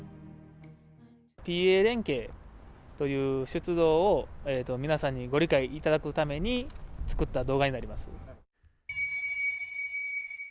ＰＡ連携という出動を、皆さんにご理解いただくために作った動画になります。